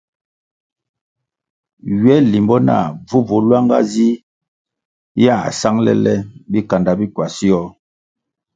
Ywe limbo nah bvubvu lwanga zih yā sangʼle le bikanda bi kwasio.